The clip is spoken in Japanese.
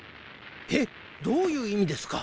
えっどういういみですか？